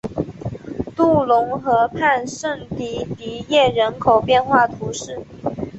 杜龙河畔圣迪迪耶人口变化图示